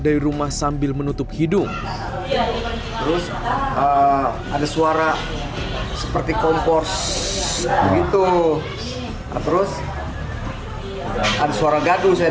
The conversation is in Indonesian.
dari rumah sambil menutup hidung terus ada suara seperti kompors begitu terus ada suara gaduh saya